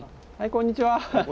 こんにちは。